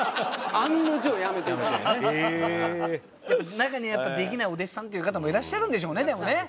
中にはできないお弟子さんっていう方もいらっしゃるんでしょうねでもね。